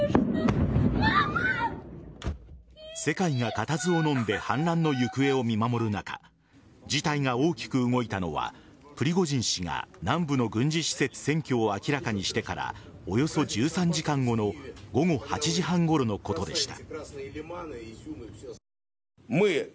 世界が固唾をのんで反乱の行方を見守る中事態が大きく動いたのはプリゴジン氏が南部の軍事施設占拠を明らかにしてからおよそ１３時間後の午後８時半ごろのことでした。